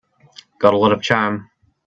Got a lot of charm.